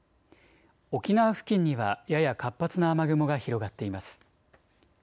沖縄付近にはやや活発な雨雲が広がっています。